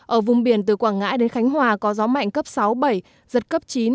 ở vùng biển từ quảng ngãi đến khánh hòa có gió mạnh cấp sáu bảy giật cấp chín